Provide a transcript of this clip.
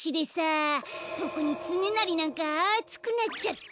とくにつねなりなんかあつくなっちゃって。